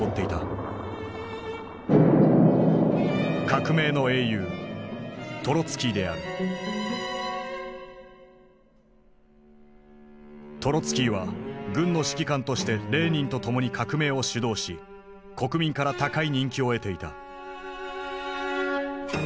革命の英雄トロツキーは軍の指揮官としてレーニンと共に革命を主導し国民から高い人気を得ていた。